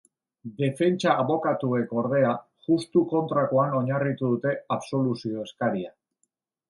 Defentsa abokatuek, ordea, justu kontrakoan oinarritu dute absoluzio eskaria.